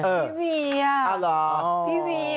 พี่เวียพี่เวียอ้าว